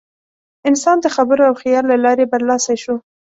انسان د خبرو او خیال له لارې برلاسی شو.